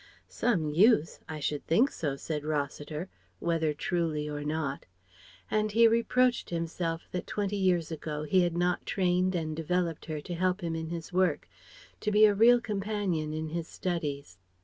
"Some use? I should think so!" said Rossiter (whether truly or not). And he reproached himself that twenty years ago he had not trained and developed her to help him in his work, to be a real companion in his studies.